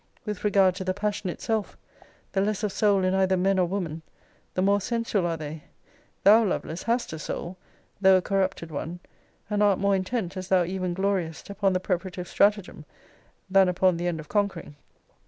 With regard to the passion itself, the less of soul in either man or woman, the more sensual are they. Thou, Lovelace, hast a soul, though a corrupted one; and art more intent (as thou even gloriest) upon the preparative stratagem, that upon the end of conquering.